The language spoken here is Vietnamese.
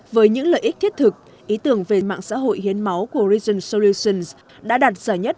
với những lợi ích thiết thực ý tưởng về mạng xã hội hiến máu của rigen solutions đã đạt giải nhất